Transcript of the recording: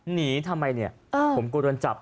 หนีทำไมเนี่ยผมกลัวโดนจับ